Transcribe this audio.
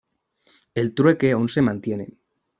El trueque aún se mantiene.